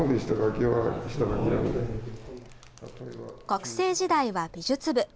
学生時代は美術部。